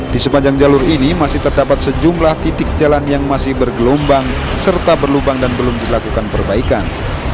di sepanjang jalur ini masih terdapat sejumlah titik jalan yang masih bergelombang serta berlubang dan belum dilakukan perbaikan